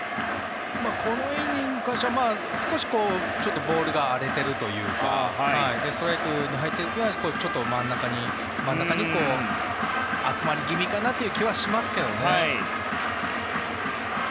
このイニングからしたら少しボールが荒れているというかストライクに入っていくのも真ん中に集まり気味かなという気がします。